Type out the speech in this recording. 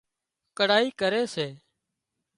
ڪڙهائي ڪري سي